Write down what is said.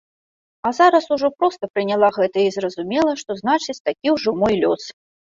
А зараз ужо проста прыняла гэта і зразумела, што, значыць, такі ўжо мой лёс.